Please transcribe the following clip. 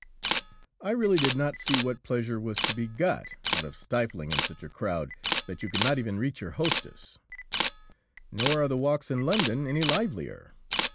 I really did not see what pleasure was to be got out of stifling in such a crowd that you could not even reach your hostess. [Illustration: GIRL WITH MUFF.] Nor are the walks in London any livelier.